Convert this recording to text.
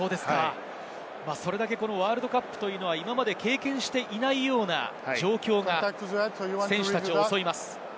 それだけワールドカップは今まで経験していないような状況が選手たちを襲います。